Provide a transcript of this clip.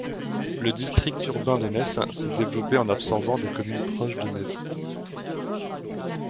Le district urbain de Metz s'est développé en absorbant des communes proches de Metz.